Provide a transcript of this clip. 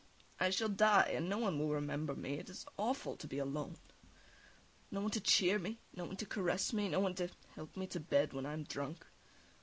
I shall die, and no one will remember me. It is awful to be alone no one to cheer me, no one to caress me, no one to help me to bed when I am drunk.